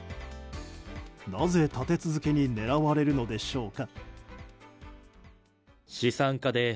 なぜ立て続けに狙われるのでしょうか。